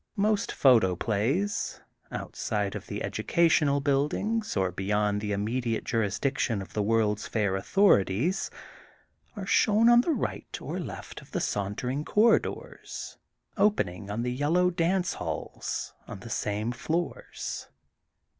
Most photoplays outside of the educational buildings or beyond the immediate jurisdic tion of the World 's Fair authorities are shown on the right or left of the sauntering corridors opening on the Yellow Dance Halls on the same floors.